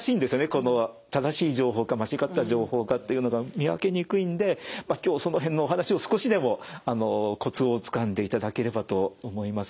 この正しい情報か間違った情報かっていうのが見分けにくいんで今日その辺のお話を少しでもコツをつかんでいただければと思います。